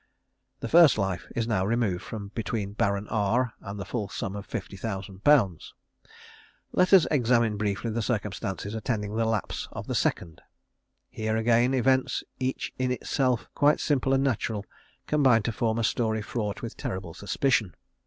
_ The first life is now removed from between Baron R and the full sum of 50,000_l_ (VI.). Let us examine briefly the circumstances attending the lapse of the second. Here again events each in itself quite simple and natural, combine to form a story fraught with terrible suspicion.